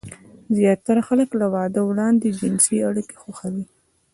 زياتره خلک له واده وړاندې جنسي اړيکې خوښوي.